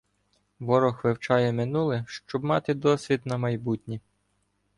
Ворог вивчає минуле, щоб мати досвід на майбутнє.